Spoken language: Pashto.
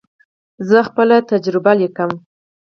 زه خپله تجربه لیکم.